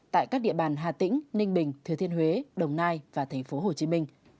tại các địa bàn hà tĩnh ninh bình thừa thiên huế đồng nai và tp hcm